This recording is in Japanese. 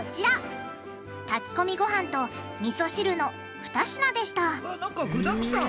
炊き込みごはんとみそ汁の２品でしたなんか具だくさん。